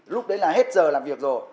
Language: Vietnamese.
lúc đấy là hết giờ làm việc rồi